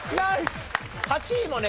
８位もね